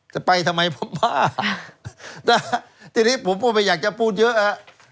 จะไปทำไมพระบ้าตัวนี้ผมก็ไม่อยากจะพูดเยอะ